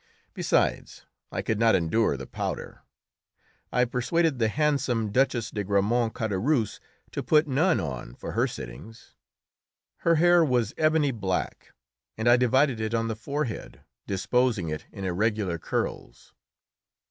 Besides, I could not endure powder. I persuaded the handsome Duchess de Grammont Caderousse to put none on for her sittings. Her hair was ebony black, and I divided it on the forehead, disposing it in irregular curls.